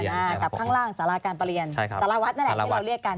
อ่ากลับข้างล่าศาลาการประเรียนใช่ครับสารวัดนั่นแหละแหละเราเรียกกัน